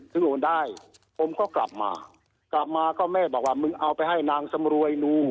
ซึ่งโอนได้ผมก็กลับมากลับมาก็แม่บอกว่ามึงเอาไปให้นางสำรวยลุง